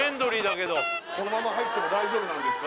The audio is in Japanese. このまま入っても大丈夫なんですか？